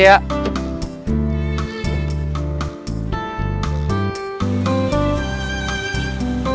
terima kasih ya